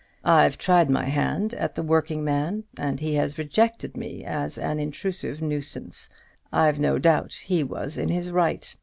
I've tried my hand at the working man, and he has rejected me as an intrusive nuisance. I've no doubt he was 'in his right.'